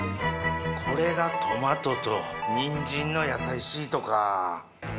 これがトマトとにんじんの野菜シートか。